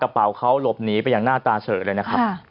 กระเป๋าเขาหลบหนีไปอย่างหน้าตาเฉยเลยนะครับ